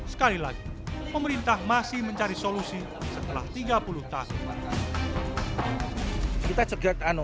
sekali lagi pemerintah masih mencari solusi setelah tiga puluh tahun